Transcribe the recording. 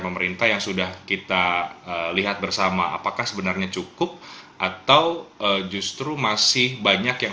pemerintah yang sudah kita lihat bersama apakah sebenarnya cukup atau justru masih banyak yang